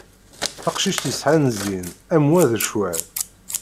Taqcict yesɛan zzin am wa d cwal.